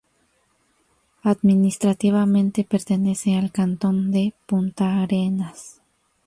Administrativamente pertenece al cantón de Puntarenas.